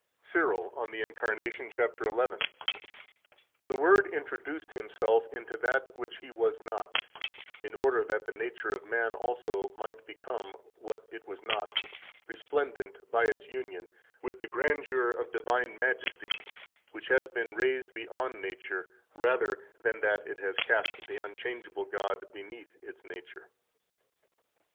91 CYRIL, On the Incarnation, cap. 11 (t. 4, p. 241; t. 5, p. 695): "The Word introduced Himself into that which He was not, in order that the nature of man also might become what it was not, resplendent, by its union, with the grandeur of divine majesty, which has been raised beyond nature rather than that it has cast the unchangeable God beneath [its] nature."